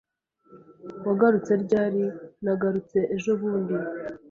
"Wagarutse ryari?" "Nagarutse ejobundi."